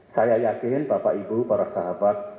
saya yakin bapak ibu para sahabat